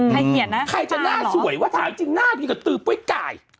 ใครเห็นนะใครจะหน้าสวยถามจริงหน้าพี่ก็ตื้อปุ้ยไก่